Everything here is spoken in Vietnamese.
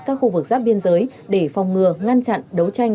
các khu vực giáp biên giới để phòng ngừa ngăn chặn đấu tranh